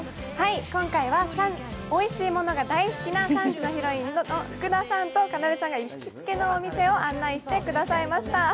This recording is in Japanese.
今回はおいしいものが大好きな３時のヒロイン、福田さんとかなでさんが行きつけのお店を案内してくださいました。